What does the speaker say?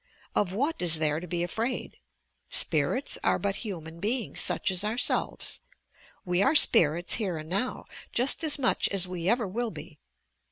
Of what i.s there to be afraid? Spirits 24 YOUR PSYCHIC POWERS are but human beings, such as ourselves. We are spirits here and now, just as much as we ever will be.